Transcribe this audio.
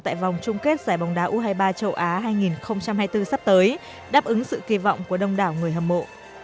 tại vòng chung kết giải bóng đá u hai mươi ba châu á hai nghìn hai mươi bốn sắp tới đáp ứng sự kỳ vọng của đông đảo người hâm mộ